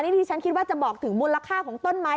นี่ที่ฉันคิดว่าจะบอกถึงมูลค่าของต้นไม้